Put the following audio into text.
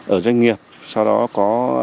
ở doanh nghiệp sau đó có